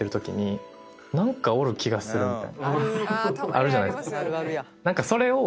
あるじゃないですか。